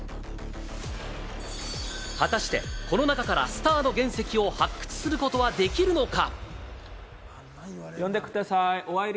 果たして、この中からスターの原石を発掘することはできるのか？